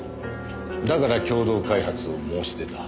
だから共同開発を申し出た。